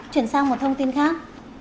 chuyển sang một thông tin khác